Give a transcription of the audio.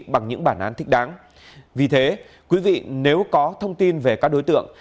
bằng những bản án thích đáng vì thế quý vị nếu có thông tin về các đối tượng